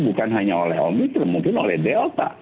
bukan hanya oleh omikron mungkin oleh delta